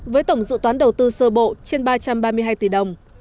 với tổng dự toán đầu tư sơ bộ trên ba trăm ba mươi hai tỷ đồng